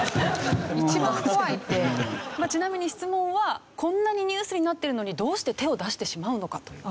まあちなみに質問はこんなにニュースになってるのにどうして手を出してしまうのか？という。